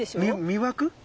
魅惑？